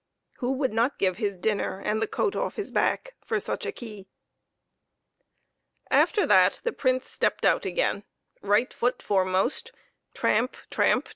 Who would not give his dinner and the coat off his back for such a key? After that the Prince stepped out again, right foot foremost, tramp! tramp